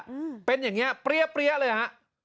อืมเป็นอย่างเงี้เปรี้ยเปรี้ยเลยฮะ